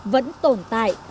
vẫn tồn tại